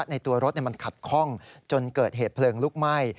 ในตัวรถมันขัดคล่องจนเกิดเหตุเพลิงลุกไหม้